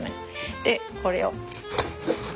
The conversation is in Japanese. でこれを。